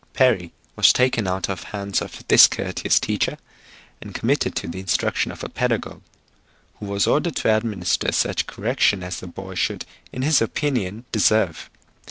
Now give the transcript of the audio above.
Perry was taken out of the hands of this courteous teacher, and committed to the instruction of a pedagogue, who was ordered to administer such correction as the boy should in his opinion deserve.